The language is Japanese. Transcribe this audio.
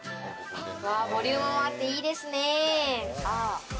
ボリュームもあっていいですよね。